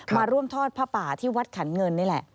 มาร่วมทอดผ้าป่าที่วัดขันเงินนี่แหละ